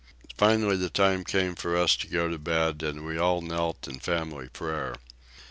Finally the time came for us to go to bed, and we all knelt in family prayer.